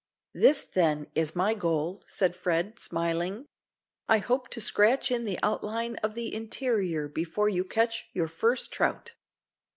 "This, then, is my goal," said Fred, smiling. "I hope to scratch in the outline of the interior before you catch your first trout."